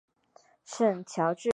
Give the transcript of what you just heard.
圣乔治德吕藏松。